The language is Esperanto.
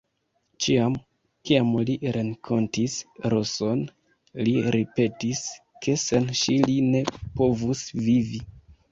Ĉiam, kiam li renkontis Roson, li ripetis, ke sen ŝi li ne povus vivi.